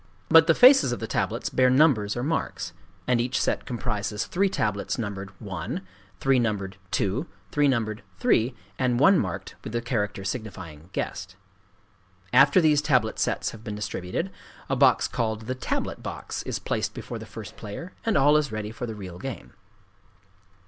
But the faces of the tablets bear numbers or marks; and each set comprises three tablets numbered "1," three numbered "2," three numbered "3," and one marked with the character signifying "guest." After these tablet sets have been distributed, a box called the "tablet box" is placed before the first player; and all is ready for the real game.